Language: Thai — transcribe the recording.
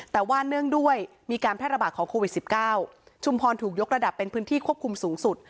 แต่ว่าเนื่องด้วยมีการแพร่ระบาดของโควิด๑๙ชุมพรถูกยกระดับเป็นพื้นที่ควบคุมสูงสุด